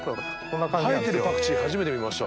生えてるパクチー初めて見ました。